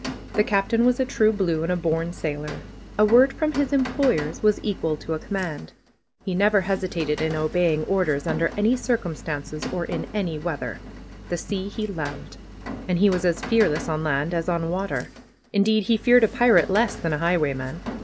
The Captain was a true blue, and a born sailor. A word from his employers was equal to a command. He never hesitated in obeying orders under any circumstances or in any weather. The sea he loved. And he was as fearless on land as on water. Indeed, he feared a pirate less than a highwayman.